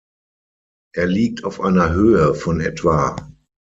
Er liegt auf einer Höhe von etwa